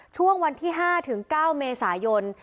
ช่วงวันที่๕ถึง๙เมษายน